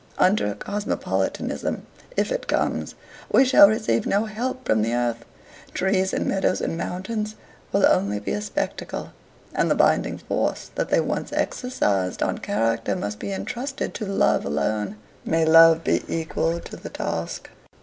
Under cosmopolitanism, if it comes, we shall receive no help from the earth. Trees and meadows and mountains will only be a spectacle, and the binding force that they once exercised on character must be entrusted to Love alone. May Love be equal to the task!